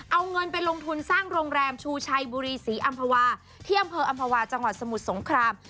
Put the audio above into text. เอาเงินไปลงทุนสร้างโรงแรมชูชัยบุรีศรีอำภาวาที่อำเภออำภาวาจังหวัดสมุทรสงคราม